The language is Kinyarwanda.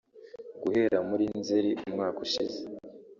Guhera muri Nzeri umwaka ushize